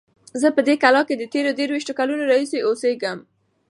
زه په دې کلا کې د تېرو دېرشو کلونو راهیسې اوسیږم.